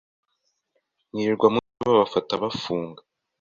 mwirirwa mujyayo babafata bafunga,